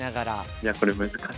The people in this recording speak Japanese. いやこれ難しい。